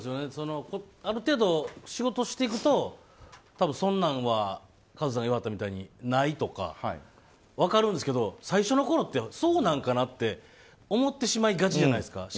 ある程度仕事をしていくと多分、そんなのは和津さんが言いはったみたいにないとか分かるんですけど最初のころってそうなんかなって思ってしまいがちじゃないですか。